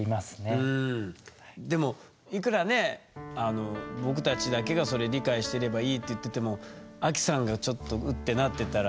でもいくらね僕たちだけがそれ理解してればいいって言っててもアキさんがちょっとウッってなってたらやっぱ気遣うでしょ？